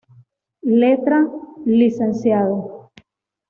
Letra: Lic.